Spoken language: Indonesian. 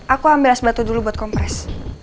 aku ambil as batu dulu buat kompres